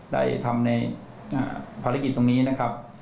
ได้ทำในภารกิจตรงนี้นะครับ